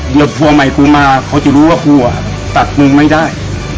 เดี๋ยวผัวใหม่กูมาเขาจะรู้ว่ากูอ่ะตัดมึงไม่ได้